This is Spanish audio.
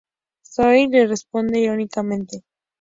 Sawyer le responde irónicamente.